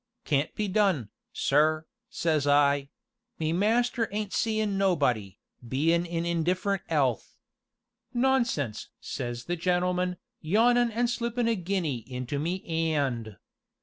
'Can't be done, sir,' says I; 'me master ain't seein' nobody, bein' in indifferent 'ealth.' 'Nonsense!' says the gentleman, yawnin' an' slippin' a guinea into me 'and.